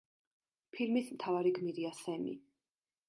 ფილმის მთვარი გმირია სემი.